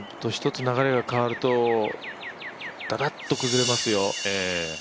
一つ流れが変わるとだだっと崩れますよ。